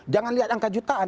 jangan lihat angka jutaan